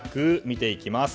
見ていきます。